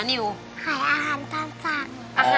พี่โภค